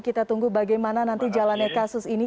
kita tunggu bagaimana nanti jalannya kasus ini